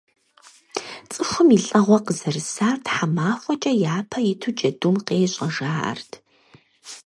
ЦӀыхум и лӀэгъуэ къызэрысар тхьэмахуэкӀэ япэ иту джэдум къещӀэ, жаӀэрт.